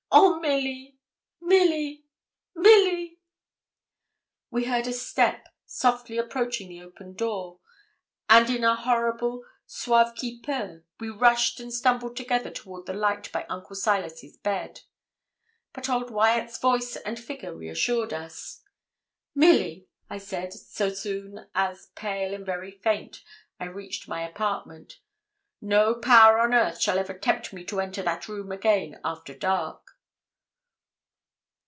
'Oh, Milly! Milly! Milly!' We heard a step softly approaching the open door, and, in a horrible sauve qui peut, we rushed and stumbled together toward the light by Uncle Silas's bed. But old Wyat's voice and figure reassured us. 'Milly,' I said, so soon as, pale and very faint, I reached my apartment, 'no power on earth shall ever tempt me to enter that room again after dark.'